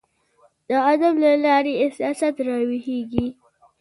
د ادب له لاري احساسات راویښیږي.